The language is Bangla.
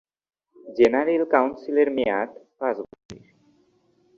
জেনারেল কাউন্সিলের মেয়াদ পাঁচ বছরের।